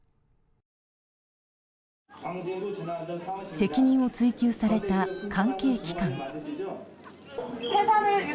責任を追及された関係機関。